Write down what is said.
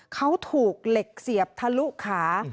เขาถูกเหล็กเสียบทะลุขา